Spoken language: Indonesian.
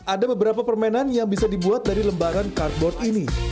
ada beberapa permainan yang bisa dibuat dari lembaran carbon ini